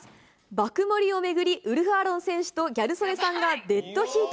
爆盛りを巡り、ウルフ・アロン選手とギャル曽根さんがデッドヒート。